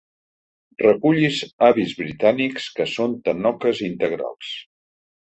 Recullis avis britànics que són tanoques integrals.